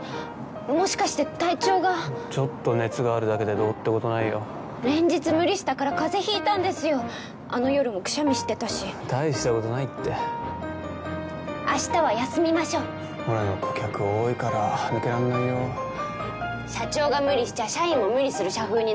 もしかして体調がちょっと熱があるだけでどうってことない連日無理したから風邪引いたんであの夜もくしゃみしてたし大したあしたは休みましょう俺の顧客多いから抜けらんないよ社長が無理しちゃ社員も無理する社風